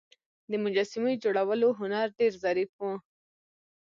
د مجسمو جوړولو هنر ډیر ظریف و